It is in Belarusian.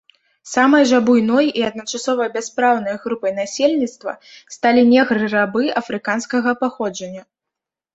Самай жа буйной і адначасова бяспраўнай групай насельніцтва сталі негры-рабы афрыканскага паходжання.